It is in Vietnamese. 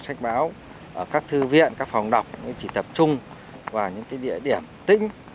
sách báo ở các thư viện các phòng đọc chỉ tập trung vào những địa điểm tĩnh